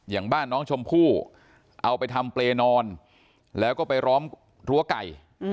อย่างบ้านน้องชมพู่เอาไปทำเปรย์นอนแล้วก็ไปล้อมรั้วไก่